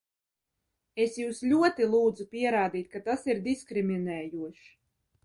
Es jūs ļoti lūdzu pierādīt, ka tas ir diskriminējošs!